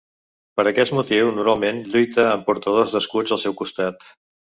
Per aquest motiu normalment lluita amb portadors d'escuts al seu costat.